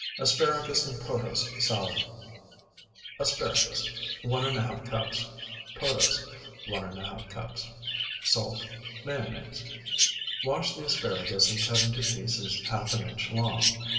ASPARAGUS AND PROTOSE SALAD Asparagus, 1½ cups. Protose, 1½ cups. Salt. Mayonnaise. Wash the asparagus and cut into pieces half an inch long.